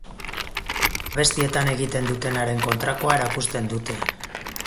Abestietan egiten dutenaren kontrakoa erakusten dute.